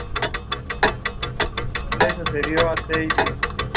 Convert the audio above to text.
Este plano está dividido en siete capas o sub-planos.